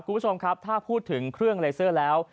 คุณผู้ชมครับถ้าพูดถึงเครื่องเลเซอร์แล้ว